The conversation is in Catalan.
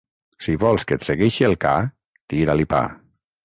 Si vols que et segueixi el ca, tira-li pa.